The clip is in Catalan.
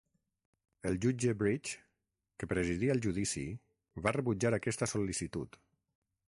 El jutge Bridge, que presidia el judici, va rebutjar aquesta sol·licitud.